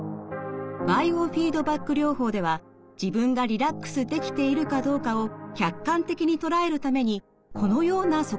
バイオフィードバック療法では自分がリラックスできているかどうかを客観的に捉えるためにこのような測定器を使います。